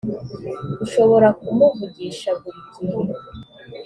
ushobora kumuvugisha buri gihe